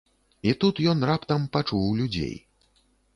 І тут ён раптам пачуў людзей.